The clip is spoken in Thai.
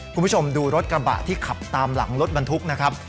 คุณผู้ชมดูรถกระบะที่ขับตามหลังรถบรรทุกนะครับ